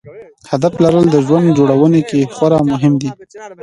هدف لرل د ژوند جوړونې کې خورا مهم دی.